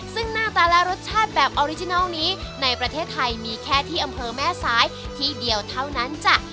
ซึ่งหน้าตาและรสชาติแบบออริจินัลนี้ในประเทศไทยมีแค่ที่อำเภอแม่ซ้ายที่เดียวเท่านั้นจ้ะ